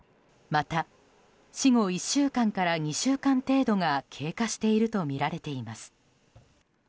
また、死後１週間から２週間程度が経過しているとみられています。